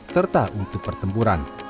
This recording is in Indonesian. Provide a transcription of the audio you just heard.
serta untuk pertempuran